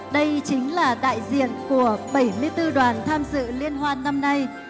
đây chính là đại diện của bảy mươi bốn đoàn tham dự liên hoan năm nay